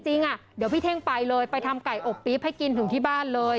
อ่ะเดี๋ยวพี่เท่งไปเลยไปทำไก่อบปี๊บให้กินถึงที่บ้านเลย